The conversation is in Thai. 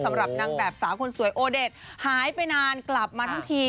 สำหรับนางแบบสาวคนสวยโอเดชหายไปนานกลับมาทั้งที